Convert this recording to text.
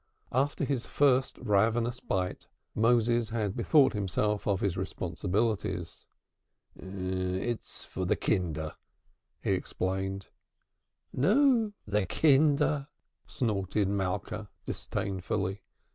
After his first ravenous bite Moses had bethought himself of his responsibilities. "It's for the kinder," he explained. "Nu, the kinder!" snorted Malka disdainfully.